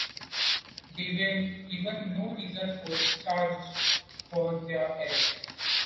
They were given no reason or charge for their arrest.